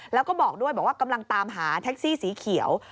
แล้วก็บอกด้วยบอกว่ากำลังตามหาแท็กซี่สีเขียว